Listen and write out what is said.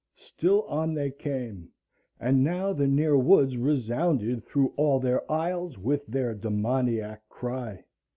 Still on they came, and now the near woods resounded through all their aisles with their demoniac cry.